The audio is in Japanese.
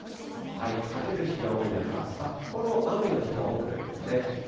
晴れる日が多い中、札幌、雨の日が多くなりますね。